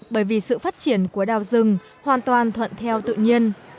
bởi vì sự phát triển của đào rừng hoàn toàn thuận theo tự nhiên